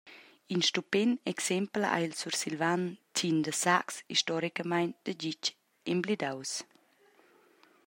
In stupent exempel ei il Sursilvan Tin de Sax, historicamein daditg emblidaus.